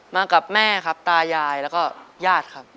มากับแม่ครับตายายแล้วก็ญาติครับ